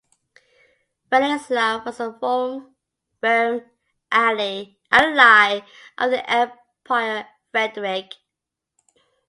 Vladislav was a firm ally of the emperor Frederick.